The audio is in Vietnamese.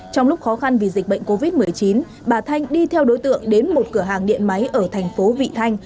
trong lúc khó khăn vì dịch bệnh covid một mươi chín bà thanh đi theo đối tượng đến một cửa hàng điện máy ở thành phố vị thanh